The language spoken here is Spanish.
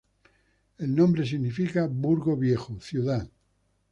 El nombre significa "burgo viejo, ciudad".